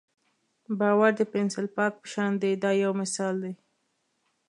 باور د پنسل پاک په شان دی دا یو مثال دی.